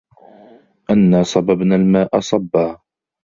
أَنّا صَبَبنَا الماءَ صَبًّا